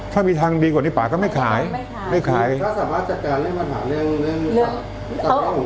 ถ้ามีทางดีกว่านี้ปากก็ไม่ขายไม่ขายไม่ขายถ้าสามารถจัดการเรื่องปัญหาเรื่องเรื่องเรื่อง